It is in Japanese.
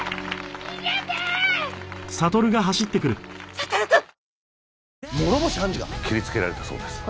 悟くん！